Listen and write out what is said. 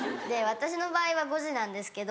私の場合は５時なんですけど。